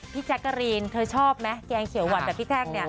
แจ๊กกะรีนเธอชอบไหมแกงเขียวหวานแบบพี่แท่งเนี่ย